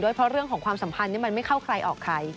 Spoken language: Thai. เพราะเรื่องของความสัมพันธ์มันไม่เข้าใครออกใคร